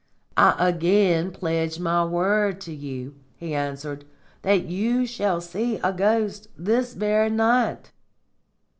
"I again pledge my word to you," he answered, "that you shall see a ghost this very night."